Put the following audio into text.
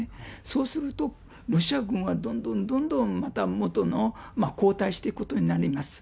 そうすると、ロシア軍がどんどんどんどん、また元の、後退していくことになります。